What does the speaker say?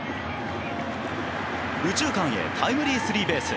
右中間へタイムリースリーベース。